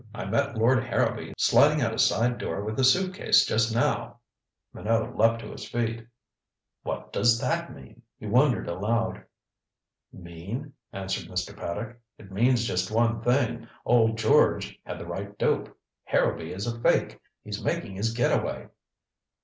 I met Lord Harrowby sliding out a side door with a suit case just now." Minot leaped to his feet. "What does that mean?" he wondered aloud. "Mean?" answered Mr. Paddock. "It means just one thing. Old George had the right dope. Harrowby is a fake. He's making his get away."